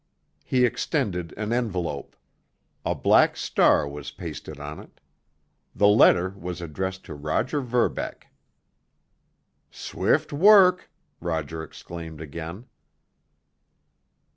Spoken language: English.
He extended an envelope. A black star was pasted on it. The letter was addressed to Roger Verbeck. "Swift work!" Roger exclaimed again.